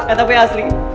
eh tapi asli